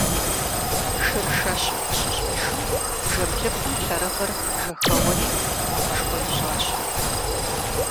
Шыр шэщым къыщыщӀишым бжэ блыпкъым лъэрыгъыр жьэхэуэри макъышхуэ ищӀащ.